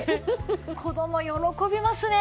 子供喜びますね。